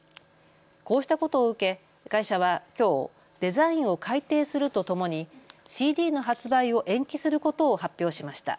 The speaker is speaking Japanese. こうしたことを受け会社はきょうデザインを改訂するとともにＣＤの発売を延期することを発表しました。